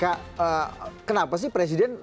karena kenapa sih presiden